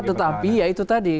tetapi ya itu tadi